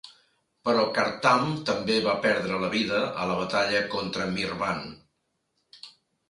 Però Kartam també va perdre la vida a la batalla contra Mirvan.